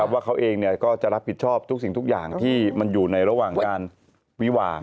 ว่าเขาเองก็จะรับผิดชอบทุกสิ่งทุกอย่างที่มันอยู่ในระหว่างการวิวาง